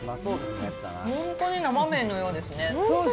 本当に生麺のようですね。